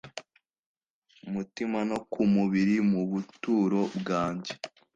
mutima no ku mubiri mu buturo bwanjye